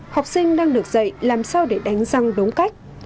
học sinh đang được dạy làm sao để đánh răng đúng cách